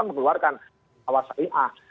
mengeluarkan pengawas syariah